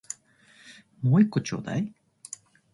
もう一個ちょうだい